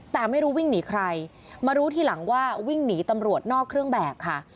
แต่ไม่รู้วิ่งหนีใครมารู้ทีหลังว่าวิ่งหนีตำรวจนอกเครื่องแบบค่ะ